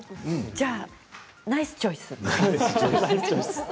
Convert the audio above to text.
じゃあ、ナイスチョイス。